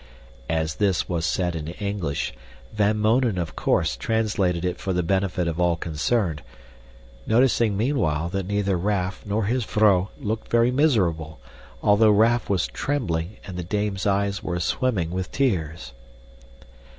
As this was said in English, Van Mounen of course translated it for the benefit of all concerned, noticing meanwhile that neither Raff nor his vrouw looked very miserable, though Raff was trembling and the dame's eyes were swimming with tears.